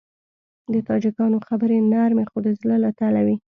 د تاجکانو خبرې نرمې خو د زړه له تله وي.